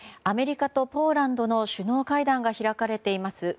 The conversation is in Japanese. アメリカとポーランドの首脳会談が開かれています